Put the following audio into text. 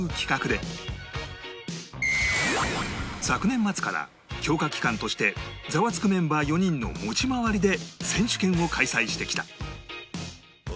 昨年末から強化期間として『ザワつく！』メンバー４人の持ち回りで選手権を開催してきた